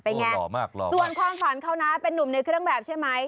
ส่วนความฝันเขาน้าเป็นหนุ่มในเครื่องแบบใช่ไหม